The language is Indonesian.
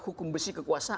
hukum besi kekuasaan